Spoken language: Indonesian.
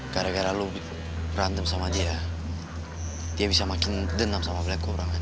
gara gara lo berantem sama dia dia bisa makin denam sama blacko orang orang